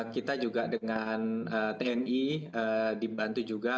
kita juga dengan tni dibantu juga